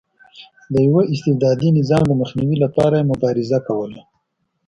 د یوه استبدادي نظام د مخنیوي لپاره یې مبارزه کوله.